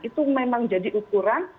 itu memang jadi ukuran